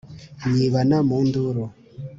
nyibana mu nduru